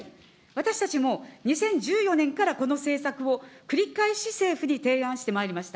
私たちも、２０１４年からこの政策を繰り返し政府に提案してまいりました。